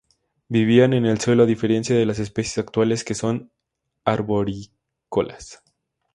Vivían en el suelo, a diferencia de las especies actuales que son arborícolas.